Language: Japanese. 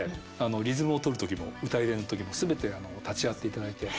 リズムをとる時も歌入れの時も全て立ち会っていただいて。